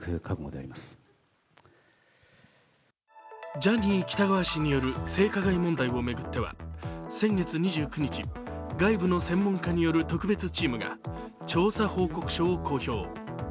ジャニー喜多川氏による性加害問題を巡っては先月２９日、外部の専門家による特別チームが調査報告書を公表。